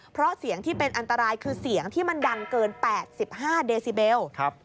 เพราะเสียงที่เป็นอันตรายคือเสียงที่มันดังเกิน๘๕เดซิเบล